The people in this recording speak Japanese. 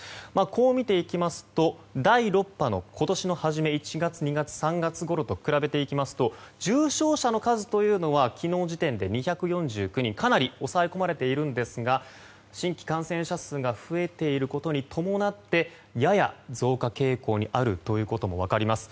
こう見ていきますと第６波の今年の初め１月から３月ごろと比べていきますと重症者の数というのは昨日時点で２４９人とかなり抑え込まれているんですが新規感染者数が増えていることに伴ってやや増加傾向にあるということも分かります。